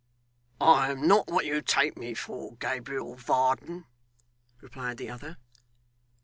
'I am not what you take me for, Gabriel Varden,' replied the other.